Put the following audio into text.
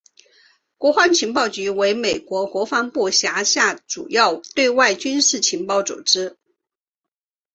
国防情报局为美国国防部辖下主要对外军事情报组织。